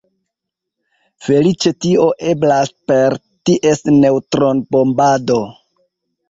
Feliĉe tio eblas per ties neŭtronbombado.